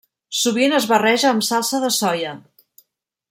Sovint es barreja amb salsa de soia.